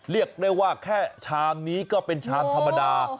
เรียกได้ว่าแค่ชามนี้ก็เป็นชามธรรมดา